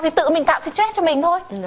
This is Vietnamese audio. thì tự mình tạo stress cho mình thôi